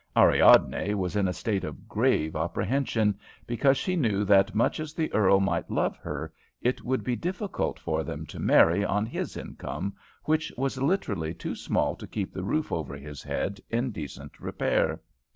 Ariadne was in a state of grave apprehension, because she knew that much as the earl might love her, it would be difficult for them to marry on his income, which was literally too small to keep the roof over his head in decent repair.